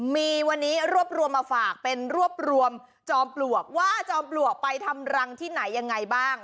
มีวันนี้รวบรวมมาฝากเป็นรวบรวมจอมปลวกว่าจอมปลวกไปทำรังที่ไหนยังไงบ้าง